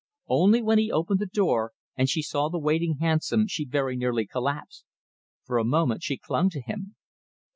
Only when he opened the door and she saw the waiting hansom she very nearly collapsed. For a moment she clung to him.